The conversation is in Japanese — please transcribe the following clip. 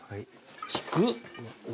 低っ。